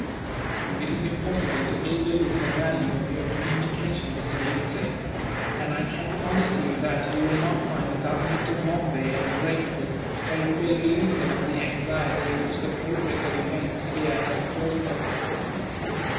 "It is impossible to overlook the value of your communication, Mr. Lindsay; and I can promise you that you will not find the Government of Bombay ungrateful, for it will relieve them of the anxiety which the progress of events here has caused them."